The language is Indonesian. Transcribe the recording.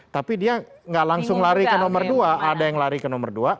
tapi dia nggak langsung lari ke nomor dua ada yang lari ke nomor dua